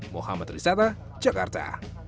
muhammad risata jakarta